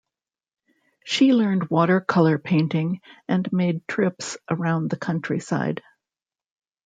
She learned water colour painting and made trips around the countryside.